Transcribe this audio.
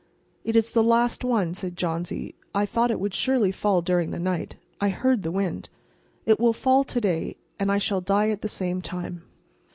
"It is the last one," said Johnsy. "I thought it would surely fall during the night. I heard the wind. It will fall to day, and I shall die at the same time."